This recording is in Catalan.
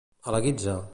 A la guitza.